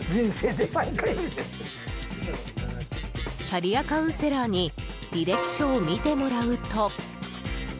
キャリアカウンセラーに履歴書を見てもらうと。